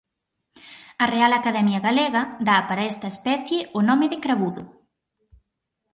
A Real Academia Galega dá para esta especie o nome de cravudo.